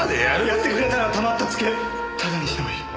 やってくれたらたまったツケタダにしてもいい。